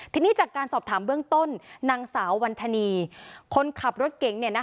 ทีนี้จากการสอบถามเบื้องต้นนางสาววันธนีคนขับรถเก๋ง